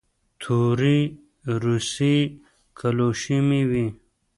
تورې روسۍ کلوشې مې وې.